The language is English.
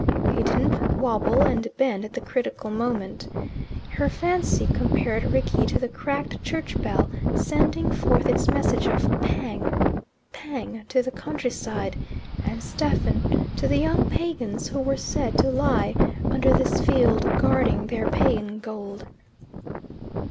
He didn't wobble and bend at the critical moment. Her fancy compared Rickie to the cracked church bell sending forth its message of "Pang! pang!" to the countryside, and Stephen to the young pagans who were said to lie under this field guarding their pagan gold.